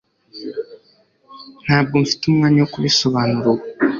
Ntabwo mfite umwanya wo kubisobanura ubu